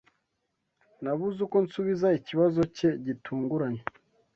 Nabuze uko nsubiza ikibazo cye gitunguranye.